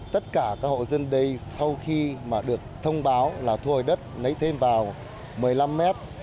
tất cả các hộ dân đây sau khi mà được thông báo là thu hồi đất lấy thêm vào một mươi năm mét